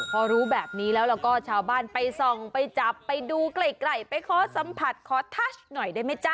พอรู้แบบนี้แล้วเราก็ชาวบ้านไปส่องไปจับไปดูไกลไปขอสัมผัสขอทัชหน่อยได้ไหมจ๊ะ